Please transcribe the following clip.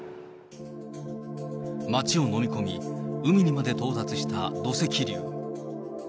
町を飲み込み、海にまで到達した土石流。